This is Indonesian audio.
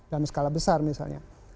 dalam skala besar misalnya